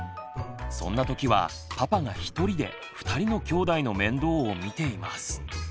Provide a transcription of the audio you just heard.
そんなときはパパが一人で二人の兄弟の面倒を見ています。